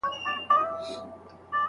آیا عدالت تر ظلم پیاوړی دی؟